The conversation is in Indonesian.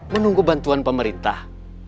menunggu bantuan pemerintah